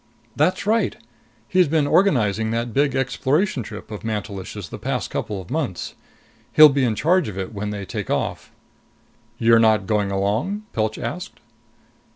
"That's right. He's been organizing that big exploration trip of Mantelish's the past couple of months. He'll be in charge of it when they take off." "You're not going along?" Pilch asked.